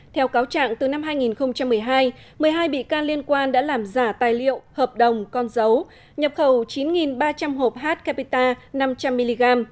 theo cáo trạng từ năm hai nghìn một mươi hai một mươi hai bị can liên quan đã làm giả tài liệu hợp đồng con dấu nhập khẩu chín ba trăm linh hộp h capita năm trăm linh mg